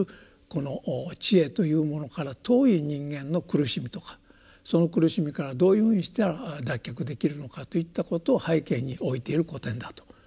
この智慧というものから遠い人間の苦しみとかその苦しみからどういうふうにしたら脱却できるのかといったことを背景に置いてる古典だと。